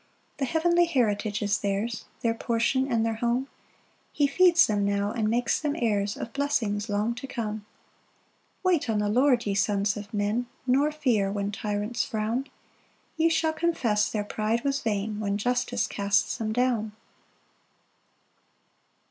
3 The heavenly heritage is theirs, Their portion and their home; He feeds them now, and makes them heirs Of blessings long to come. 4 Wait on the Lord, ye sons of men, Nor fear when tyrants frown; Ye shall confess their pride was vain, When justice casts them down.